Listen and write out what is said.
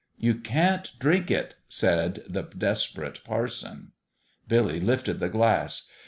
" You can't drink it !" said the desperate par son. Billy lifted the glass.